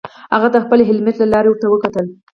هغه د خپل هیلمټ له لارې ورته وکتل